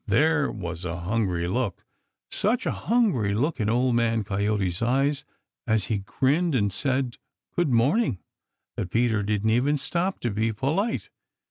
There was a hungry look, such a hungry look in Old Man Coyote's eyes as he grinned and said "Good morning" that Peter didn't even stop to be polite.